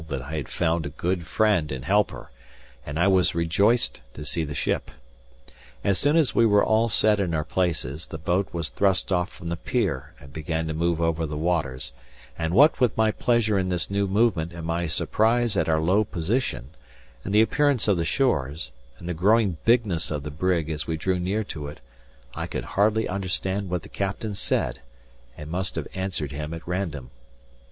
that I had found a good friend and helper, and I was rejoiced to see the ship. As soon as we were all set in our places, the boat was thrust off from the pier and began to move over the waters: and what with my pleasure in this new movement and my surprise at our low position, and the appearance of the shores, and the growing bigness of the brig as we drew near to it, I could hardly understand what the captain said, and must have answered him at random.